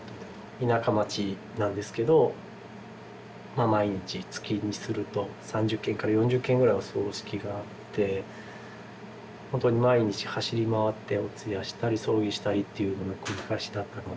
田舎町なんですけどまあ毎日月にすると３０件から４０件ぐらいお葬式があってほんとに毎日走り回ってお通夜したり葬儀したりっていうのの繰り返しだったので。